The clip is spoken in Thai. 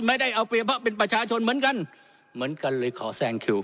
ไม่ได้เอาเปรียบเพราะเป็นประชาชนเหมือนกันเหมือนกันเลยขอแซงคิว